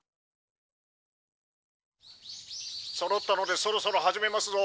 「そろったのでそろそろ始めますぞ」。